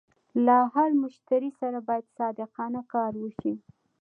له هر مشتري سره باید صادقانه کار وشي.